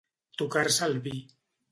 Tocar-se el vi.